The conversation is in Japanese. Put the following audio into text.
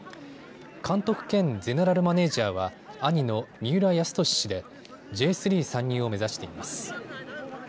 監督兼ゼネラルマネージャーは兄の三浦泰年氏でＪ３参入を目指しています。